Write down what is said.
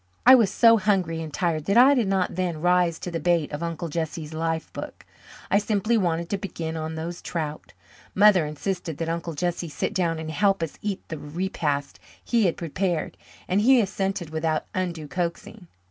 I was so hungry and tired that I did not then "rise to the bait" of Uncle Jesse's "life book." I simply wanted to begin on those trout. Mother insisted that Uncle Jesse sit down and help us eat the repast he had prepared, and he assented without undue coaxing.